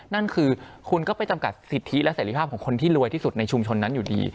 นั่นคือคุณก็ไปจำกัดสิทธิและเสรีภาพของคนที่รวยที่สุดในชุมชนนั้นอยู่ดี